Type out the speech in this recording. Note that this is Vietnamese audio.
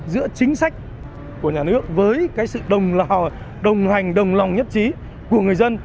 giữa chính sách của nhà nước với cái sự đồng hành đồng lòng nhất trí của người dân